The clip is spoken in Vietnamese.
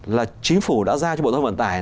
là chính phủ đã giao cho bộ giao thông vận tải